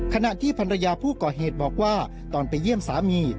ขณะที่ภรรยาผู้ก่อเหตุบอกว่าตอนไปเยี่ยมสามี